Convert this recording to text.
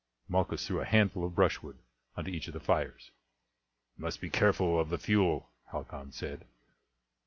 Malchus threw a handful of brushwood on to each of the fires. "We must be careful of the fuel," Halcon said.